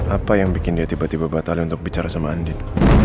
apa yang bikin dia tiba tiba batal untuk bicara sama andin